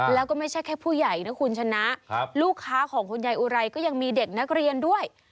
แล้วก็ไม่ใช่แค่ผู้ใหญ่นะคุณชนะลูกค้าของคุณยายอุไรก็ยังมีเด็กนักเรียนด้วย